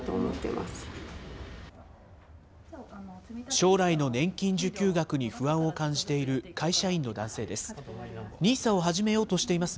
将来の年金受給額に不安を感じている会社員の男性です。